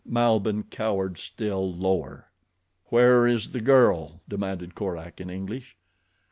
Malbihn cowered still lower. "Where is the girl?" demanded Korak, in English.